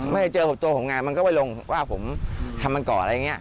ไม่ได้เจอตัวผมมันก็ลงว่าผมทำรับมันก่ออะไรแบบนี้